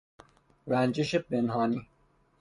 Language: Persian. رنجش پنهانی